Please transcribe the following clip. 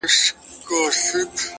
د حقیقت رڼا فریب ته ځای نه پرېږدي؛